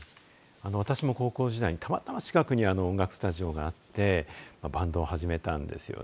私も高校時代たまたま近くに音楽スタジオがあってバンドを始めたんですよね。